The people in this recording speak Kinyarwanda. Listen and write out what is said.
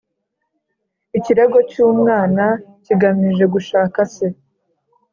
Ikirego cy umwana kigamije gushaka se